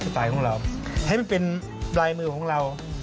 ไตล์ของเราให้มันเป็นลายมือของเรา